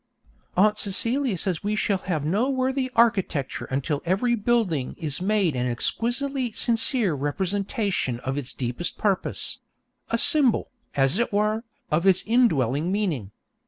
Aunt Celia says we shall have no worthy architecture until every building is made an exquisitely sincere representation of its deepest purpose a symbol, as it were, of its indwelling meaning.